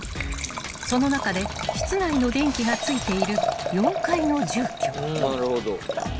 ［その中で室内の電気がついている４階の住居］